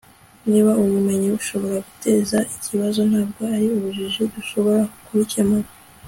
niba ubumenyi bushobora guteza ibibazo, ntabwo ari ubujiji dushobora kubikemura